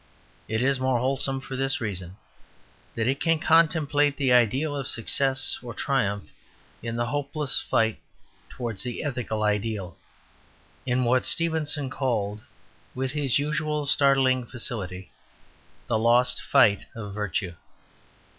It is more wholesome for this reason, that it can contemplate the idea of success or triumph in the hopeless fight towards the ethical ideal, in what Stevenson called, with his usual startling felicity, "the lost fight of virtue."